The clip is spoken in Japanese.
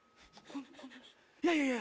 いやいやいやいや。